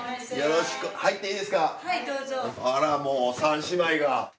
あらもう３姉妹が。